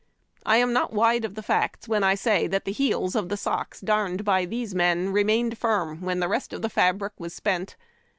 I am not wide of the facts when I say that the heels of the socks darned by these men re mained firm when the rest of the fabric was well spent.